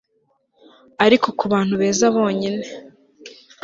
Ariko kubantu beza bonyine